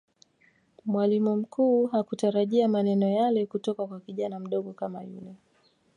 mwalimu mkuu hakutarajia maneno yale kutoka kwa kijana mdogo kama yule